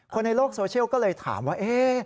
คนในโลกโซเชียลก็เลยถามว่า